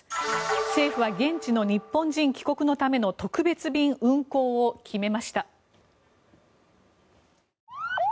政府は現地の日本人帰国のための特別便運航を決めました。